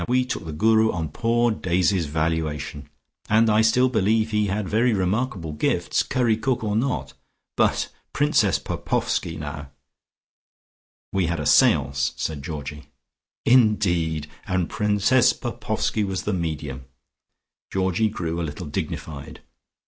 We took the Guru on poor Daisy's valuation, and I still believe he had very remarkable gifts, curry cook or not. But Princess Popoffski now " "We had a seance," said Georgie. "Indeed! And Princess Popoffski was the medium?" Georgie grew a little dignified.